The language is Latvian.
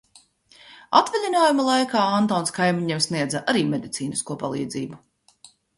Atvaļinājuma laikā Antons kaimiņiem sniedza arī medicīnisko palīdzību.